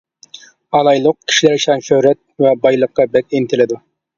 ئالايلۇق، كىشىلەر شان-شۆھرەت ۋە بايلىققا بەك ئىنتىلىدۇ.